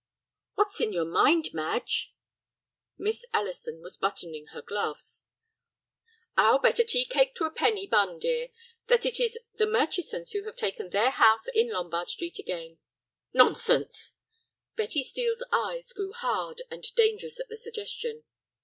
"What's in your mind, Madge?" Miss Ellison was buttoning her gloves. "I'll bet a tea cake to a penny bun, dear, that it is the Murchisons who have taken their house in Lombard Street again." "Nonsense!" Betty Steel's eyes grew hard and dangerous at the suggestion.